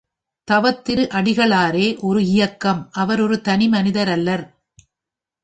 தவத்திரு அடிகளாரே ஒரு இயக்கம் அவர் ஒரு தனி மனிதரல்லர்.